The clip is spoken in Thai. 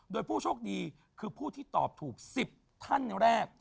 โดยผู้โชคดีคือผู้ที่ตอบถูก๑๐ท่านแรก